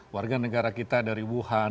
warga negara kita dari wuhan